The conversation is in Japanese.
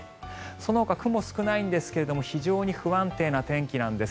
そのほか、雲少ないんですが非常に不安定な天気なんです。